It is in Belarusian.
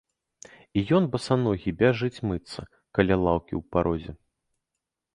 І ён басаногі бяжыць мыцца каля лаўкі ў парозе.